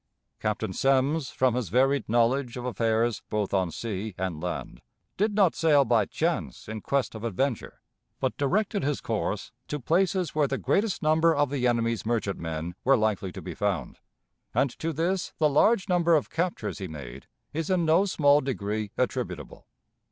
Captain Semmes, from his varied knowledge of affairs both on sea and land, did not sail by chance in quest of adventure, but directed his course to places where the greatest number of the enemy's merchantmen were likely to be found, and to this the large number of captures he made is in no small degree attributable.